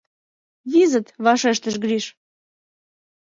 — Визыт, — вашештыш Гриш.